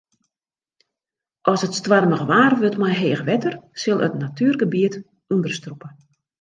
As it stoarmich waar wurdt mei heech wetter sil it natuergebiet ûnderstrûpe.